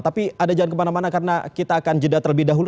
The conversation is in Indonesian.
tapi ada jangan kemana mana karena kita akan jeda terlebih dahulu